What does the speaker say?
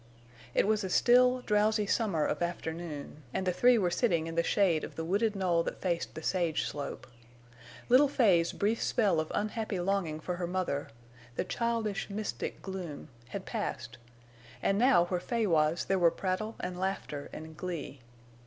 It was a still drowsy summer of afternoon, and the three were sitting in the shade of the wooded knoll that faced the sage slope. Little Fay's brief spell of unhappy longing for her mother—the childish, mystic gloom—had passed, and now where Fay was there were prattle and laughter and glee.